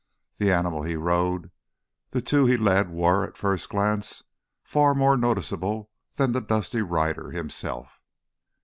The animal he rode, the two he led were, at first glance, far more noticeable than the dusty rider himself.